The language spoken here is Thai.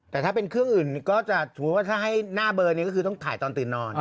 แต่ถ้าเป็นเครื่องอื่นก็จะสมมุติว่าถ้าให้หน้าเบอร์นี้ก็คือต้องถ่ายตอนตื่นนอน